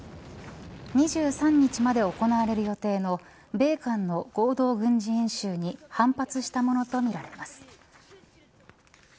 ２３日まで行われる予定の米韓の合同軍事演習に反発したものとみられます。